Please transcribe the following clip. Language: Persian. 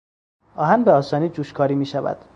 آهن به آسانی جوشکاری میشود.